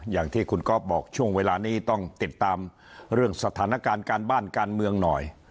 อย่างที่คุณก๊อฟบอกช่วงเวลานี้ต้องติดตามเรื่องสถานการณ์การบ้านการเมืองหน่อย